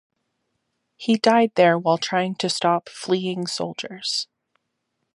He died there while trying to stop fleeing soldiers.